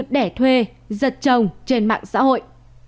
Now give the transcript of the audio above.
đẻ thuê giật chồng trên mạng xã hội